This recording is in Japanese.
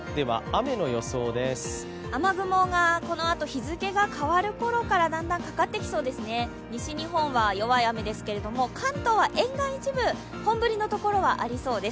雨雲がこのあと日付が変わる頃からだんだんかかってきそうですね、西日本は弱い雨ですけれども、関東は沿岸で一部、本降りなところはありそうです。